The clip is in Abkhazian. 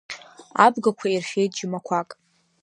Абгақәа ирфеит џьмақәак.